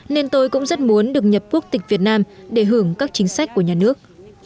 nên tôi cũng rất muốn được nhập quốc tịch việt nam để hưởng các chính sách của nhà nước